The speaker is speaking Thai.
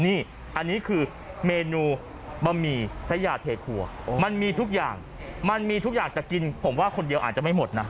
นี่อันนี้คือเมนูบะหมี่พระยาเทครัวมันมีทุกอย่างมันมีทุกอย่างจะกินผมว่าคนเดียวอาจจะไม่หมดนะ